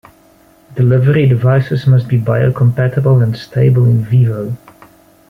Delivery devices must be biocompatible and stable in vivo.